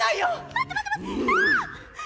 待って待って待ってキャー！